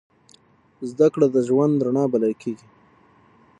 زدهکړه د ژوند رڼا بلل کېږي.